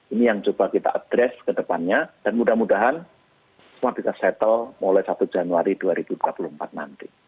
ini yang coba kita addres ke depannya dan mudah mudahan semua bisa settle mulai satu januari dua ribu dua puluh empat nanti